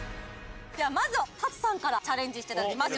じゃあまずはＴＡＴＳＵさんからチャレンジしていただきます